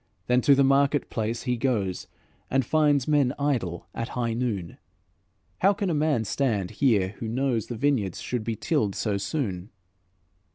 Then to the market place he goes, And finds men idle at high noon: 'How can a man stand here who knows The vineyards should be tilled so soon?'"